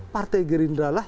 partai gerindra lah